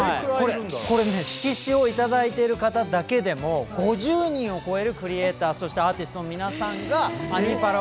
これね、色紙をいただいている方だけでも５０人を超えるクリエーターそしてアーティストの皆さんが「アニ×パラ」